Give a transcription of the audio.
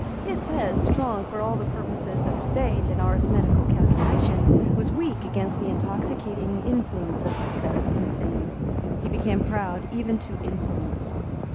His head, strong for all the purposes of debate and arithmetical calculation, was weak against the intoxicating influence of success and fame. He became proud even to insolence.